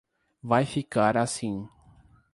Vai ficar assim.